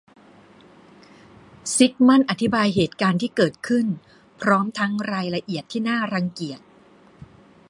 ซิกมันด์อธิบายเหตุการณ์ที่เกิดขึ้นพร้อมทั้งรายละเอียดที่น่ารังเกียจ